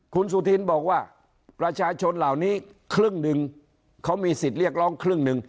คุณสุธินบอกว่าประชาชนเหล่านี้ครึ่งหนึ่งเขามีสิทธิ์เรียกร้องครึ่งหนึ่ง